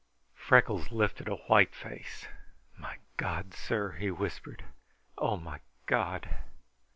Freckles lifted a white face. "My God, sir!" he whispered. "Oh, my God!"